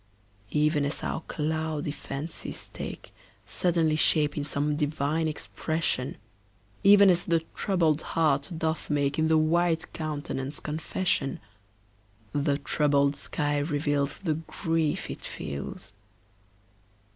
Even as our cloudy fancies take Suddenly shape in some divine expression, Even as the troubled heart doth make In the white countenance confession, The troubled sky reveals The grief it feels.